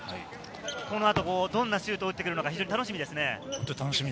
この後、どんなシュートを打ってくるのか楽しみですね。